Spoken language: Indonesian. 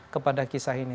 kepada kisah ini